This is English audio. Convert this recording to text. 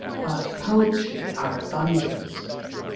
But poultry are abundant.